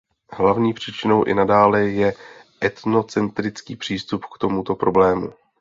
Hlavní příčinou i nadále je etnocentrický přístup k tomuto problému.